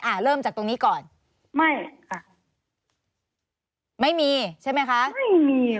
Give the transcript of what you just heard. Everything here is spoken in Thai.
เริ่มจากตรงนี้ก่อนไม่ค่ะไม่มีใช่ไหมคะไม่มี